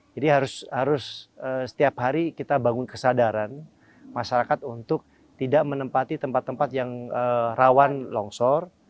jadi harus setiap hari kita bangun kesadaran masyarakat untuk tidak menempati tempat tempat yang rawan longsor